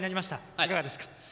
いかがですか？